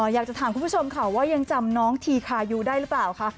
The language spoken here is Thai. อยากจะถามคุณผู้ชมค่ะว่ายังจำน้องทีคายูได้หรือเปล่าคะ